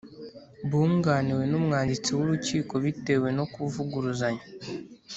Bunganiwe n’umwanditsi w’urukiko bitewe no kuvuguruzanya